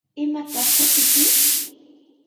¿Imataq shutiyki?